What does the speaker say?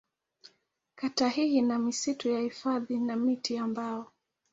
Kata hii ina misitu ya hifadhi na miti ya mbao.